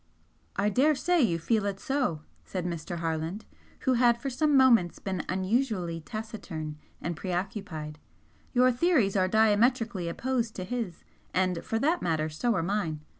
"I daresay you feel it so," said Mr. Harland, who had for some moments been unusually taciturn and preoccupied "Your theories are diametrically opposed to his, and, for that matter, so are mine.